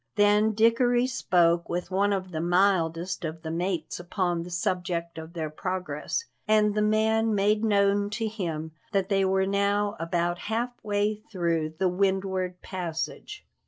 Then Dickory spoke with one of the mildest of the mates upon the subject of their progress, and the man made known to him that they were now about half way through the Windward passage.